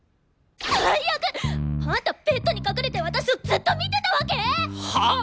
最悪！あんたベッドに隠れて私をずっと見てたわけ！？はあ！？